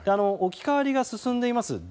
置き換わりが進んでいます